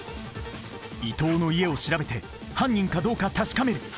伊藤の家を調べて犯人かどうか確かめる！